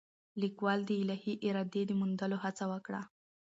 لیکوال د الهي ارادې د موندلو هڅه وکړه.